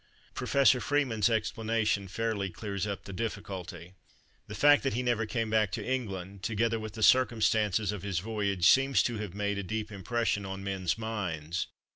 Professor Freeman's explanation fairly clears up the difficulty:—"The fact that he never came back to England, together with the circumstances of his voyage, seems to have made a deep impression on men's minds.